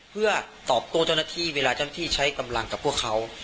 เพื่อตอบโต้เจ้าหน้าที่เวลาเจ้าหน้าที่ใช้กำลังกับพวกเขา